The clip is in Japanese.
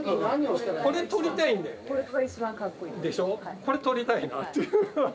これ撮りたいなって。